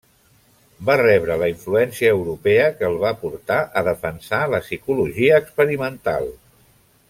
Va rebre la influència europea que el va portar a defensar la Psicologia experimental.